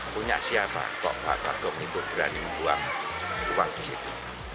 punya siapa kok pak patung itu berani membuang uang di situ